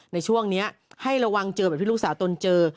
ในช่วงนี้ให้ระวังเจอแบบที่ลูกสาวตนเจอ